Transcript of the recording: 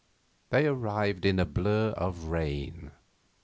They arrived in a blur of rain.